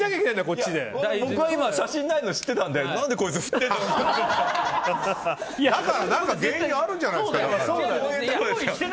僕は写真ないの知ってたので何でこいつ振っているんだろうって。